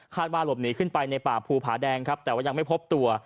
ว่าหลบหนีขึ้นไปในป่าภูผาแดงครับแต่ว่ายังไม่พบตัว